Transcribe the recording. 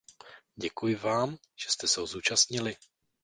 Děkuji vám, že jste se ho zúčastnili.